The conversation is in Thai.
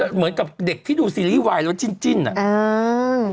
เหมือนกับเด็กที่ดูซีรีส์วายแล้วจิ้นอะ